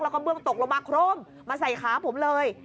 แล้วก็เบื้องตกลงมาโครมมาใส่ขาผมเลย